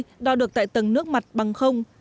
chỉ số oxy đo được tại tầng nước mặt bằng không